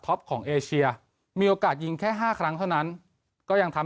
ของเอเชียมีโอกาสยิงแค่๕ครั้งเท่านั้นก็ยังทำ